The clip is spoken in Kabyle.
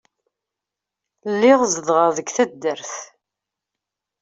Lliɣ zedɣeɣ deg taddart.